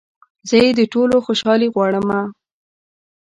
زه يې د ټولو خوشحالي غواړمه